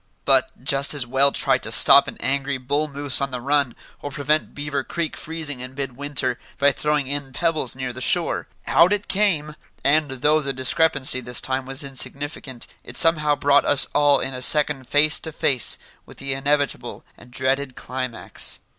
But, just as well try to stop an angry bull moose on the run, or prevent Beaver Creek freezing in mid winter by throwing in pebbles near the shore. Out it came! And, though the discrepancy this time was insignificant, it somehow brought us all in a second face to face with the inevitable and dreaded climax.